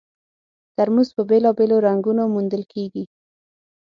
ترموز په بېلابېلو رنګونو موندل کېږي.